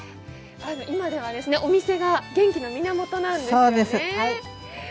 今ではお店が元気の源なんですよね。